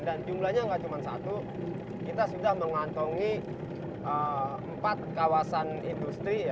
dan jumlahnya nggak cuma satu kita sudah mengantongi empat kawasan industri